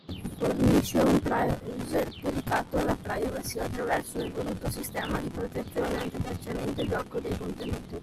Fornisce un browser dedicato alla privacy, attraverso un evoluto sistema di protezione antitracciamento e di blocco dei contenuti.